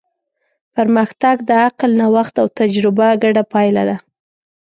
پرمختګ د عقل، نوښت او تجربه ګډه پایله ده.